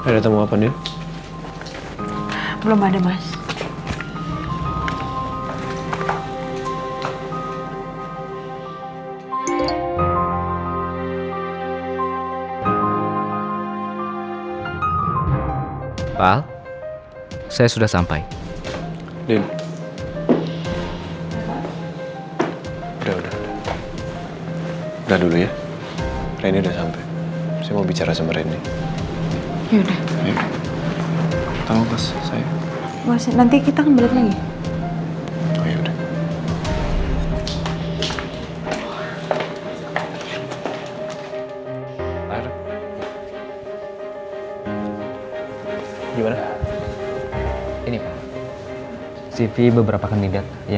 gak boleh sampai terluka